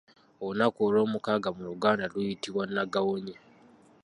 Olunaku olw'omukaaga mu luganda luyitibwa Nagawonye.